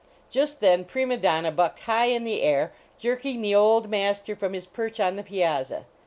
Just then Prima Donna bucked high in the air, jerking the " Old Master " from his perch on the piazza.